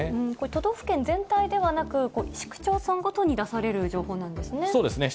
都道府県全体ではなく、市区町村ごとに出される情報なんですね。